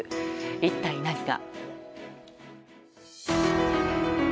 一体何が。